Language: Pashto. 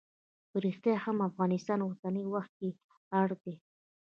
په ریښتیا هم افغانستان اوسنی وخت کې اړ دی.